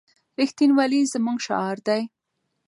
رښتینولي زموږ شعار دی.